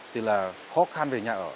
thì là khó khăn về nhà ở